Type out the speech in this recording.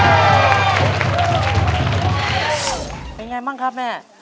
เป็นไงบ้างครับแม่